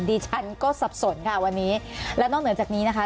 ดิฉันก็สับสนค่ะวันนี้และนอกเหนือจากนี้นะคะ